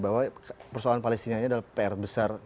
bahwa persoalan palestina ini adalah pr besar